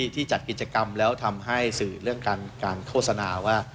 จัดกิจกรรมแล้วทำให้สื่อเรื่องการโฆษณาว่า